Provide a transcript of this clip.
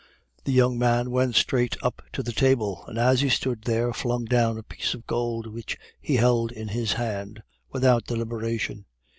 The young man went straight up to the table, and, as he stood there, flung down a piece of gold which he held in his hand, without deliberation.